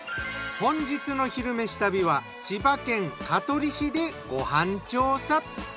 本日の「昼めし旅」は千葉県香取市でご飯調査。